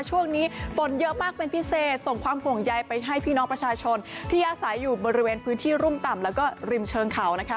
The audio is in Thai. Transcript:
ช่วงนี้ฝนเยอะมากเป็นพิเศษส่งความห่วงใยไปให้พี่น้องประชาชนที่อาศัยอยู่บริเวณพื้นที่รุ่มต่ำแล้วก็ริมเชิงเขานะคะ